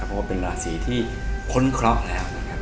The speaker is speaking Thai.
เพราะว่าเป็นราศีที่พ้นเคราะห์แล้วนะครับ